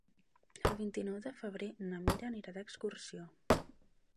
El vint-i-nou de febrer na Mira anirà d'excursió.